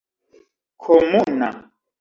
komuna